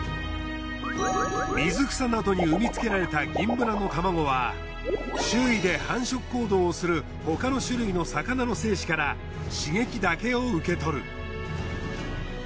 水草などに産みつけられたギンブナの卵は周囲で繁殖行動をする他の種類の魚の精子から刺激だけを受け取る。